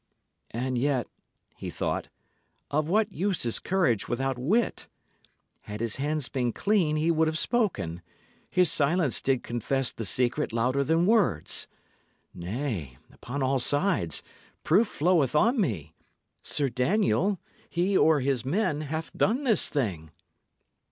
"And yet," he thought, "of what use is courage without wit? Had his hands been clean, he would have spoken; his silence did confess the secret louder than words. Nay, upon all sides, proof floweth on me. Sir Daniel, he or his men, hath done this thing."